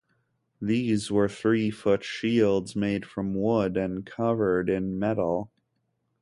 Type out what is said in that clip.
These were three-foot shields made from wood and covered in metal.